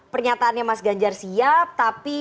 pernyataannya mas ganjar siap tapi